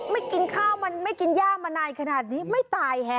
กินข้าวมันไม่กินย่ามานานขนาดนี้ไม่ตายฮะ